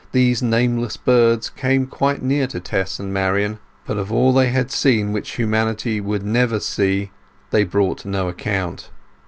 These nameless birds came quite near to Tess and Marian, but of all they had seen which humanity would never see, they brought no account.